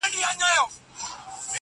دغه سُر خالقه دغه تال کي کړې بدل.